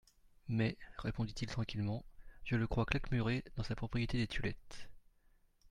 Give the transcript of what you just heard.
Mais, répondit-il tranquillement, je le crois claquemuré dans sa propriété des Tulettes.